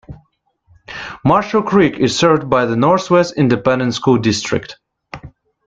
Marshall Creek is served by the Northwest Independent School District.